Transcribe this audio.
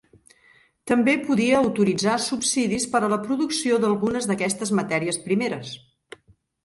També podia autoritzar subsidis per a la producció d'algunes d'aquestes matèries primeres.